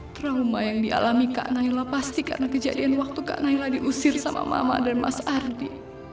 trauma yang dialami kak naila pasti karena kejadian waktu kak naila diusir sama mama dan mas ardi